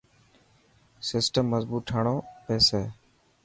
سسٽم مظبوت ٺاڻو پيسي.